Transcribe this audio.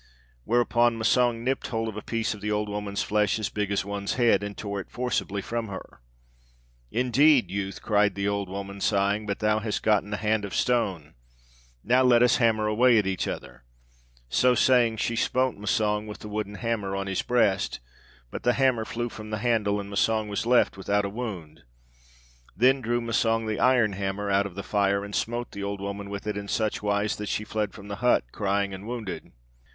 "Whereupon Massang nipped hold of a piece of the old woman's flesh as big as one's head, and tore it forcibly from her. 'Indeed, youth,' cried the old woman, sighing, 'but thou hast gotten a hand of stone; now let us hammer away at each other!' "So saying, she smote Massang with the wooden hammer on his breast, but the hammer flew from the handle, and Massang was left without a wound. Then drew Massang the iron hammer out of the fire, and smote the old woman with it in such wise that she fled from the hut crying and wounded.